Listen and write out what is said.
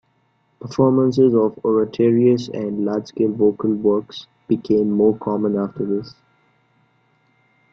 Performances of oratorios and large-scale vocal works became more common after this.